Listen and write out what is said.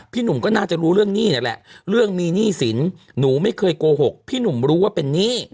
หนุ่มก็น่าจะรู้เรื่องหนี้นี่แหละเรื่องมีหนี้สินหนูไม่เคยโกหกพี่หนุ่มรู้ว่าเป็นหนี้